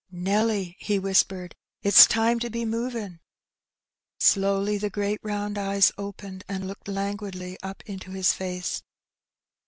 ''Nelly/' he whispered, ''it's time to be movin'." Slowly the great round eyes opened, and looked languidly up into his face.